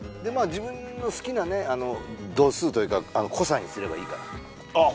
自分の好きなね度数というか濃さにすればいいからあっ